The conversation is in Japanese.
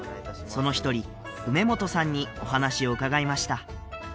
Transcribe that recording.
その一人梅元さんにお話を伺いました